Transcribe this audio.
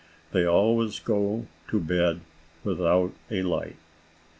They always go to bed without a light.